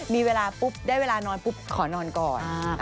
มีเวลาปุ๊บได้เวลานอนปุ๊บขอนอนก่อน